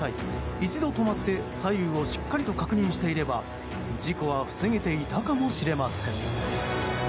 一度止まって左右をしっかりと確認していれば事故は防げていたかもしれません。